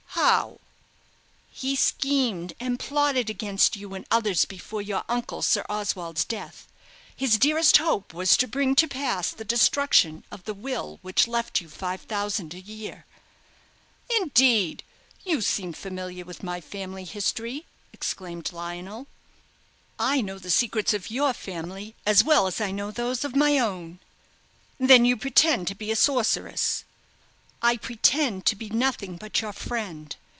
"How?" "He schemed and plotted against you and others before your uncle Sir Oswald's death. His dearest hope was to bring to pass the destruction of the will which left you five thousand a year." "Indeed! You seem familiar with my family history," exclaimed Lionel. "I know the secrets of your family as well as I know those of my own." "Then you pretend to be a sorceress?" "I pretend to be nothing but your friend.